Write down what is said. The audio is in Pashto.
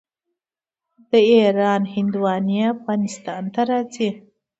د ایران هندواڼې افغانستان ته راځي.